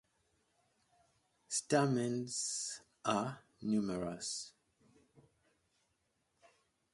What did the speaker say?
Stamens are numerous.